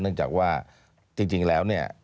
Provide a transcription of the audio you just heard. เนื่องจากว่าจริงแล้วเนี่ย